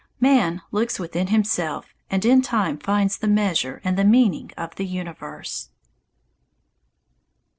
Man looks within himself and in time finds the measure and the meaning of the universe.